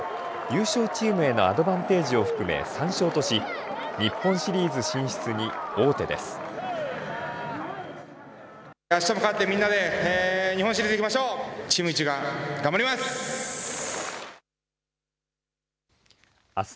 優勝チームへのアドバンテージを含め３勝とし日本シリーズ進出に王手です。